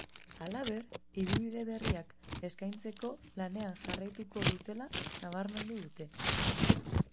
Halaber, ibilbide berriak eskaintzeko lanean jarraituko dutela nabarmendu dute.